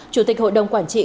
chủ tịch hội đồng quản trị